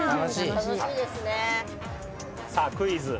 さあクイズ。